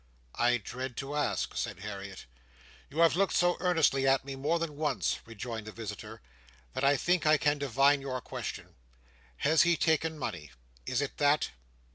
"I dread to ask," said Harriet. "You have looked so earnestly at me more than once," rejoined the visitor, "that I think I can divine your question. Has he taken money? Is it that?"